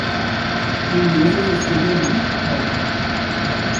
He uses a pseudonym, Bob.